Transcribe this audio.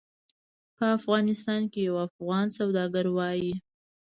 په افغانستان کې یو افغان سوداګر وایي.